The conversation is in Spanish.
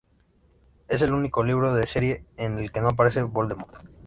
Es el único libro de la serie en el que no aparece Voldemort.